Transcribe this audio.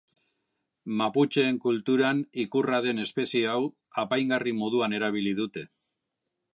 Maputxeen kulturan ikurra den espezie hau apaingarri moduan erabili dute.